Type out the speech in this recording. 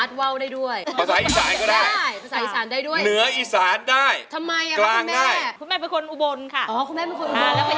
แล้วก็ย้ายมาอยู่ช่างมัย